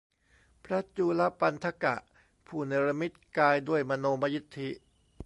พระจูฬปันถกะ ผู้เนรมิตกายด้วยมโนมยิทธิ